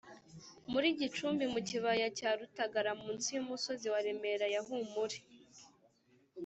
muri Gicumbi mu kibaya cya Rutagara munsi y’umusozi wa Remera ya Humure.